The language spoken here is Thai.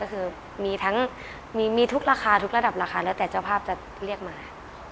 ก็คือมีทั้งมีทุกราคาทุกระดับราคาแล้วแต่เจ้าภาพจะเรียกมา